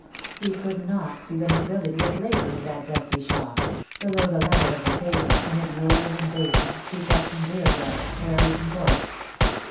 He could not see the nobility of labour in that dusty shop, below the level of the pavement, amid ewers and basins, teacups and beer jugs, sherries and ports.